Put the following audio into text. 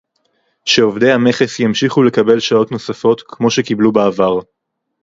שעובדי המכס ימשיכו לקבל שעות נוספות כמו שקיבלו בעבר